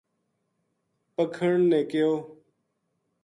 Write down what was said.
پکھن نے کہیو